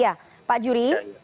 ya pak jury